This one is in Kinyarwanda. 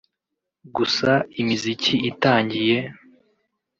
gusa imiziki itangiye